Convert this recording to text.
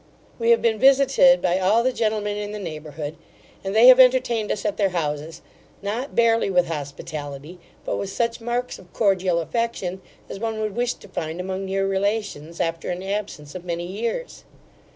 We have been visited by all the gentlemen in the neighbourhood, and they have entertained us at their houses, not barely with hospitality, but with such marks of cordial affection, as one would wish to find among near relations, after an absence of many years.